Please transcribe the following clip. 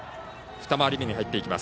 ２回り目に入っていきます。